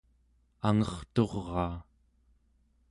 angerturaa